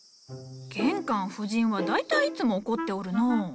玄関夫人は大体いつも怒っておるのう。